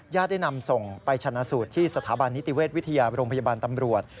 ได้นำส่งไปชนะสูตรที่สถาบันนิติเวชวิทยาโรงพยาบาลตำรวจ